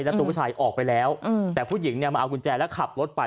แล้วตัวผู้ชายออกไปแล้วแต่ผู้หญิงเนี่ยมาเอากุญแจแล้วขับรถไป